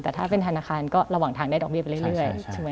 แต่ถ้าเป็นธนาคารก็ระหว่างทางได้ดอกเบีไปเรื่อย